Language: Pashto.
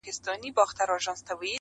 • حقيقت ورو ورو ورکيږي دلته..